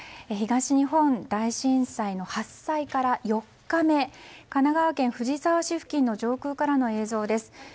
東日本大震災の発災から４日目神奈川県藤沢市付近の上空からの映像です。